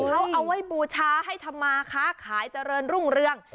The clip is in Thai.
เขาเอาไว้บูชาให้ธรรมาค้าขายเจริญรุ่งเรือง